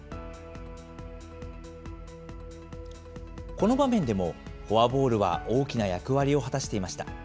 この場面でもフォアボールは大きな役割を果たしていました。